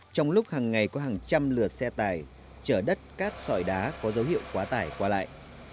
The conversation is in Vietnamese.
trong lúc hàng ngày có hàng trăm lượt xe tải chở đất cát sỏi đá có dấu hiệu quá tải qua lại